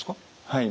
はい。